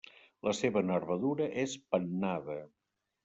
La seva nervadura és pennada.